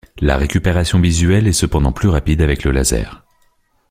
La récupération visuelle est cependant plus rapide avec le laser.